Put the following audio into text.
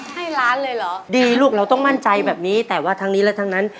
ให้ล้านเลยเหรอดีลูกเราต้องมั่นใจแบบนี้แต่ว่าทั้งนี้และทั้งนั้น